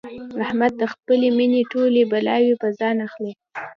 احمد د خپلې مینې ټولې بلاوې په ځان اخلي.